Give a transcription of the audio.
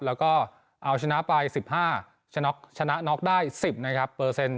แล้วก็เอาชนะไปสิบห้าชนะชนะได้สิบนะครับเปอร์เซ็นต์